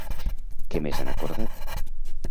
Què més han acordat?